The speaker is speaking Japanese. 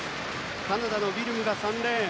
カナダのウィルムが３レーン。